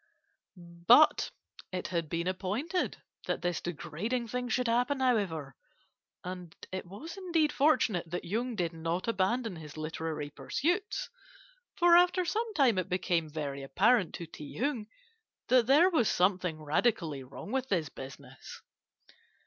"But it had been appointed that this degrading thing should not happen, however, and it was indeed fortunate that Yung did not abandon his literary pursuits; for after some time it became very apparent to Ti Hung that there was something radically wrong with his business.